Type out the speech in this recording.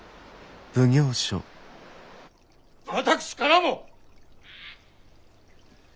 私からも！